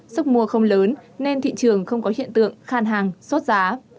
sức mua không lớn nên thị trường không có hiện tượng khan hàng sốt giá